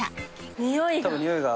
においが。